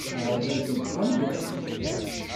Aɣerbaz yettqelliq.